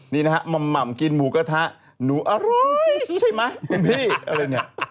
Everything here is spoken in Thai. มัมต์หม่ำกินหมูกระทะหนูอร่อยใช่มั้ยคุณพี่